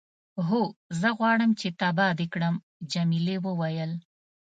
هو، زه غواړم چې تباه دې کړم. جميلې وويل:.